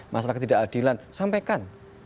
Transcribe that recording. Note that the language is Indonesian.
masalah ketidakadilan sampaikan